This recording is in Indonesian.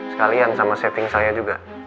sekalian sama setting saya juga